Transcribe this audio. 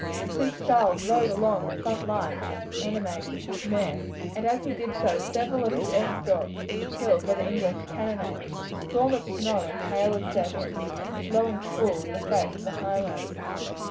Prince Charles rode along the front line to animate his men, and as he did so several of his escort were killed by the English cannonade. A storm of snow and hail had set in, blowing full in the face of the Highlanders.